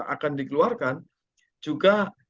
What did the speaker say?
akan dikeluarkan juga